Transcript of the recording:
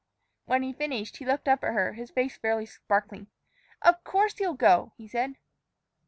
'" When he finished, he looked up at her, his face fairly sparkling. "Of course you'll go," he said.